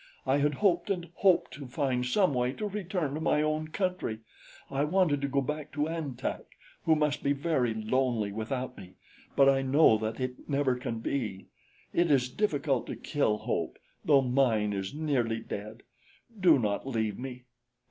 I had hoped and hoped to find some way to return to my own country. I wanted to go back to An Tak, who must be very lonely without me; but I know that it can never be. It is difficult to kill hope, though mine is nearly dead. Do not leave me."